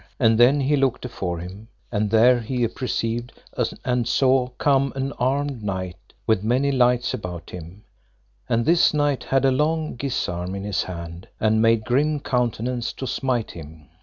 And then he looked afore him, and there he apperceived and saw come an armed knight, with many lights about him; and this knight had a long gisarm in his hand, and made grim countenance to smite him.